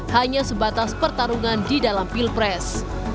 hanya sebatas pertarungan di dalam pilpres